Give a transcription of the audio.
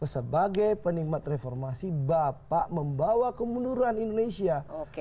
sebagai penikmat reformasi bapak membawa kemunduran indonesia